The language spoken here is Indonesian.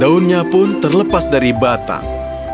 daunnya pun terlepas dari batang